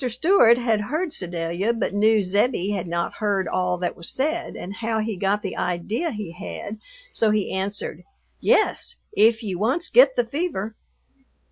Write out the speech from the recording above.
Stewart had heard Sedalia, but knew "Zebbie" had not heard all that was said and how he got the idea he had, so he answered, "Yes, if ye once get the fever."